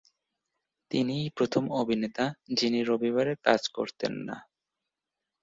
তিনিই প্রথম অভিনেতা যিনি রবিবারে কাজ করতেন না।